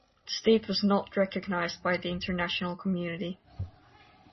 The state was not recognized by the international community.